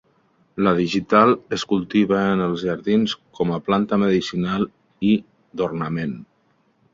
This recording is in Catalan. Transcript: La digital es cultiva en els jardins com a planta medicinal i d'ornament.